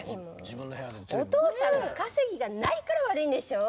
おとうさんが稼ぎがないから悪いんでしょ！